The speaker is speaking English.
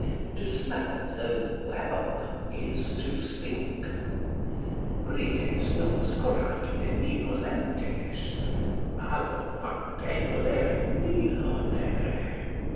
To smell, though well, is to stink: "Rides nos, Coracine, nil olentes Malo, quam bene olere, nil olere."